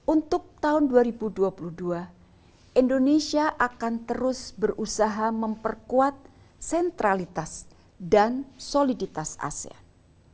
untuk tahun dua ribu dua puluh dua indonesia akan terus berusaha memperkuat sentralitas dan soliditas asean